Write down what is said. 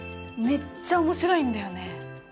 めっちゃ面白いんだよね。